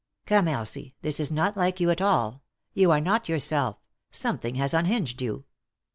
" Come, Elsie, this is not like you at all ; you are not yourself; something has unhinged you.